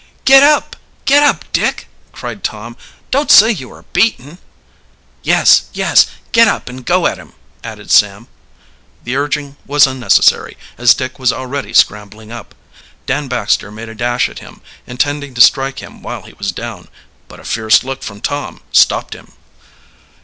"Get up! Get up, Dick!" cried Tom. "Don't say you are beaten!" "Yes, yes; get up and go at him!" added Sam. The urging was unnecessary, as Dick was already scrambling up. Dan Baxter made a dash at him, intending to strike him while he was down, but a fierce look from Tom stopped him.